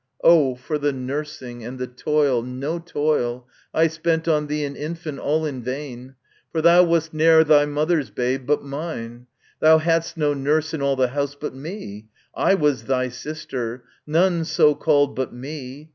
QO for the nursing and the toil, no toil, I spent on thee an infant, all in vain! For thou wast ne'er thy mother's babe, but mine ; Thou hadst no nurse in all the house but me, I was thy sister, none so called but me.